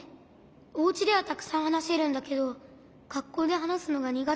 おうちではたくさんはなせるんだけどがっこうではなすのがにがてなの。